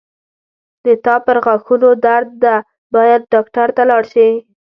د تا پرغاښونو درد ده باید ډاکټر ته لاړ شې